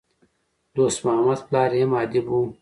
دوست محمد پلار ئې هم ادیب وو.